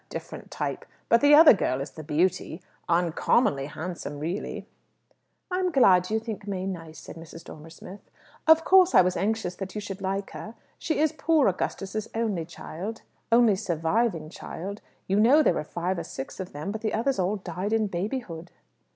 Different type. But the other girl is the beauty. Uncommonly handsome, really." "I'm glad you think May nice," said Mrs. Dormer Smith. "Of course I was anxious that you should like her. She is poor Augustus's only child only surviving child. You know there were five or six of them, but the others all died in babyhood."